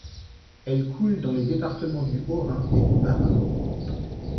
Elle coule dans les départements du Haut-Rhin et du Bas-Rhin.